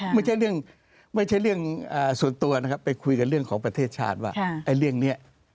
ไม่ใช่เรื่องส่วนตัวนะครับไปคุยกันเรื่องของประเทศชาติว่ายนี่